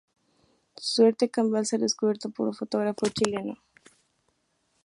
Su suerte cambió al ser descubierto por un fotógrafo chileno.